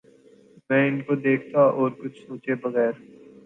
میں ان کو دیکھتا اور کچھ سوچے بغیر